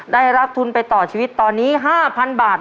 ได้รับทุนไปต่อชีวิตตอนนี้๕๐๐๐บาท